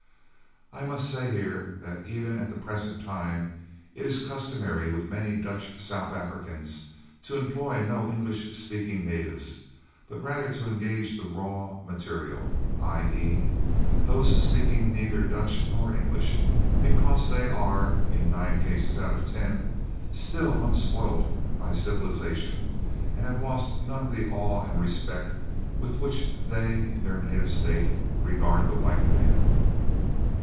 I may say here that even at the present time it is customary with many Dutch South Africans to employ no English speaking natives, but rather to engage the "raw" material, i.e. those speaking neither Dutch nor English, because they are, in nine cases out of ten, still unspoilt by civilisation and have lost none of the awe and respect with which they, in their native state, regard the white man.